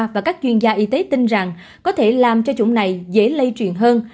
và các chuyên gia y tế tin rằng có thể làm cho chủng này dễ lây truyền hơn